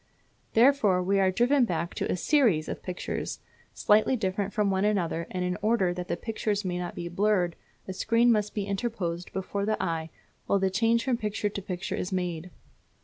Therefore we are driven back to a series of pictures, slightly different from one another; and in order that the pictures may not be blurred a screen must be interposed before the eye while the change from picture to picture is made.